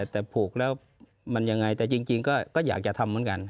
แต่ผูกแล้วมันยังไงแต่จริงก็อยากจะทำเหมือนกัน